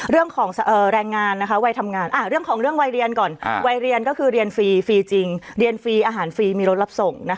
เรื่องของวัยเรียนก่อนก็คือเรียนฟรีฟรี้จริงเรียนฟรีอาหารฟรีมีรถรับส่ง